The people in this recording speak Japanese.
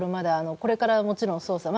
これから、もちろん捜査が。